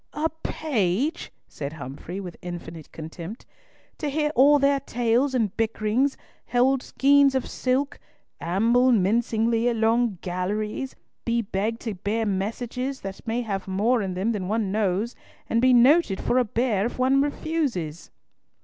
"A page!" said Humfrey, with infinite contempt—"to hear all their tales and bickerings, hold skeins of silk, amble mincingly along galleries, be begged to bear messages that may have more in them than one knows, and be noted for a bear if one refuses."